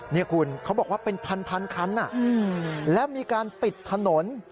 นี่คุณเขาบอกว่าเป็นพันคันแล้วมีการปิดถนน